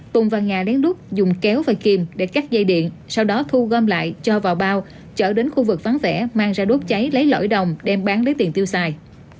tùng và nga lén lút dùng kéo và kìm để cắt dây điện sau đó thu gom lại cho vào bao chở đến khu vực vắng vẻ mang ra đốt cháy lấy lõi đồng đem bán lấy tiền tiêu xài